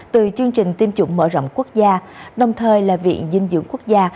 từ chương trình tiêm chủng mở rộng quốc gia đồng thời là viện dinh dưỡng quốc gia